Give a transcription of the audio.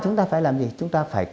chúng ta phải làm gì